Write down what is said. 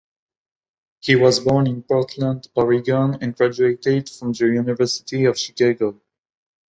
He was born in Portland, Oregon and graduated from the University of Chicago.